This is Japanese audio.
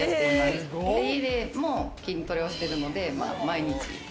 家でも筋トレをしてるので毎日。